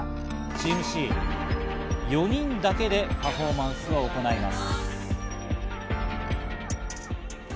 チームＣ４人だけでパフォーマンスを行います。